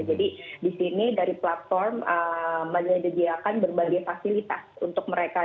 jadi di sini dari platform menyediakan berbagai fasilitas untuk mereka